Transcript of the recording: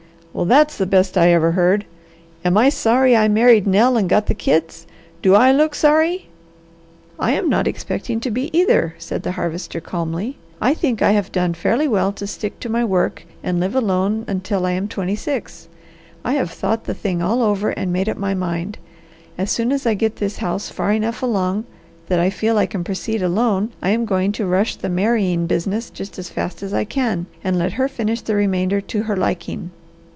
Well that's the best I ever heard! Am I sorry I married Nell and got the kids? Do I look sorry?" "I am not expecting to be, either," said the Harvester calmly. "I think I have done fairly well to stick to my work and live alone until I am twenty six. I have thought the thing all over and made up my mind. As soon as I get this house far enough along that I feel I can proceed alone I am going to rush the marrying business just as fast as I can, and let her finish the remainder to her liking."